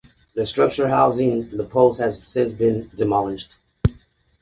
The structure housing the post has since been demolished.